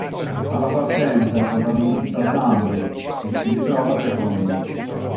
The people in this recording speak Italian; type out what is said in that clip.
Alla partenza è protagonista Tambay che si ritrova secondo.